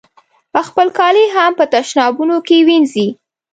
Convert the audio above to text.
خپل کالي هم په تشنابونو کې وینځي.